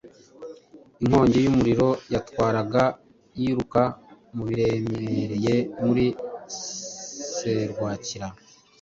Inkongi y'umuriro yatwaraga yiruka mu biremereye Muri serwakira